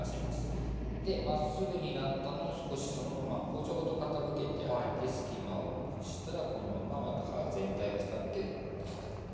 でまっすぐになったのを少しそのまま包丁ごと傾けてあげて隙間をなくしたらこのまままた刃全体を使ってザッと。